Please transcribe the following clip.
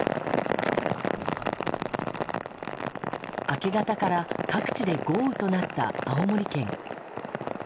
明け方から各地で豪雨となった青森県。